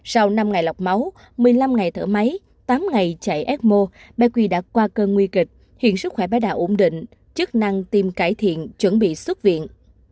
sau năm ngày lọc máu một mươi năm ngày thở máy tám ngày chạy ecmo bé quy đã qua cơn nguy kịch hiện sức khỏe bé đạo ổn định chức năng tiêm cải thiện chuẩn bị xuất viện